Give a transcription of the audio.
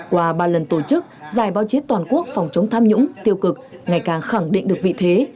qua ba lần tổ chức giải báo chí toàn quốc phòng chống tham nhũng tiêu cực ngày càng khẳng định được vị thế